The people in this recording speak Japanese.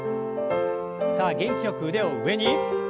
さあ元気よく腕を上に。